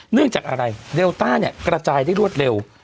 เนื่องจากอะไรเดลต้าเนี่ยกระจายได้รวดเร็ว